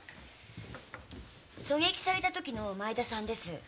狙撃された時の前田さんです。